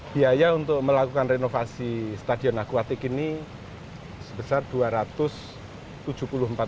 biaya untuk melakukan renovasi stadion aquatic ini sebesar dua ratus tujuh puluh empat miliar